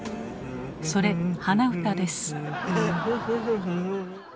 それ鼻歌です。